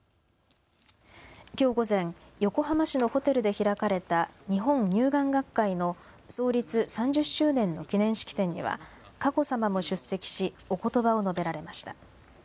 きょう午前、横浜市のホテルで開かれた日本乳癌学会の創立３０周年の記念式典には佳子さまも出席しおことばを述べられました。